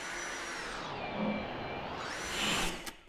• غم پېښ مي وي دښمن ته مګر زړه زما په زهیر دی..